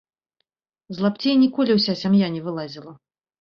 З лапцей ніколі ўся сям'я не вылазіла.